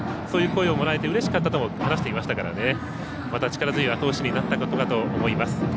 そういう声をもらえてうれしかったと話していますからまた力強いあと押しになったかと思います。